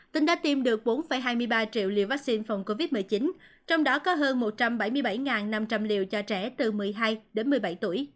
tỉnh đã tiêm được bốn hai mươi ba triệu liều vaccine phòng covid một mươi chín trong đó có hơn một trăm bảy mươi bảy năm trăm linh liều cho trẻ từ một mươi hai đến một mươi bảy tuổi